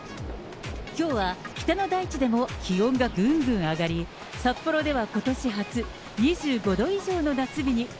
きょうは、北の大地でも気温がぐんぐん上がり、札幌ではことし初、２５度以上の夏日に。